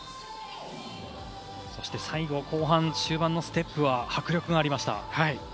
そして最後後半終盤のステップは迫力がありました。